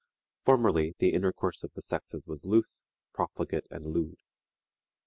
Formerly the intercourse of the sexes was loose, profligate, and lewd.